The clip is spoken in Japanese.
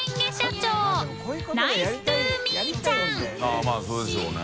◆舛まぁそうでしょうね。